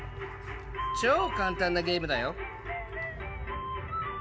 超簡単なゲームだよ。